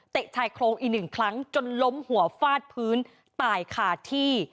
เตะทายโคลงอีก๑ครั้งจนล้มหัวฟาดพื้นตายขาดที่